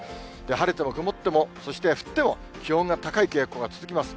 晴れても曇っても、そして降っても、気温が高い傾向が続きます。